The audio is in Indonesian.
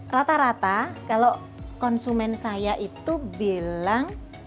rata rata kalau konsumen saya itu bilang